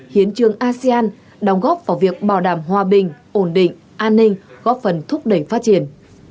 hiến trương asean đóng góp vào việc bảo đảm hòa bình ổn định an ninh góp phần thúc đẩy phát triển